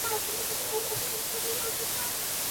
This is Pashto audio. ما د موضوع مخینه په بشپړ ډول کتلي ده.